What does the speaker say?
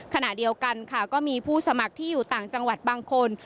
ขณะเดียวกันค่ะก็มีผู้สมัครที่อยู่ต่างจังหวัดบางคน